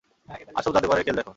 আসল জাদুকরের খেল দেখো।